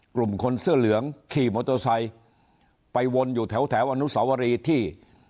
กลุ่มคนเสื้อเหลืองขี่มอเตอร์ไซค์ไปวนอยู่แถวแถวอนุสาวรีที่